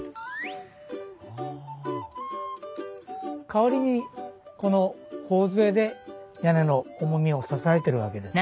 代わりにこの頬杖で屋根の重みを支えてるわけです。